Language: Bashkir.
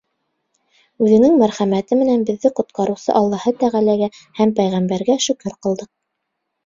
Үҙенең мәрхәмәте менән беҙҙе ҡотҡарыусы Аллаһы Тәғәләгә һәм пәйғәмбәргә шөкөр ҡылдыҡ.